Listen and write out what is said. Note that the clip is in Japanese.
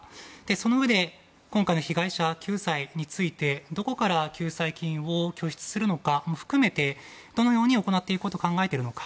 そのうえで今回の被害者救済についてどこから救済金を拠出するのかも含めてどのように行っていこうと考えているのか。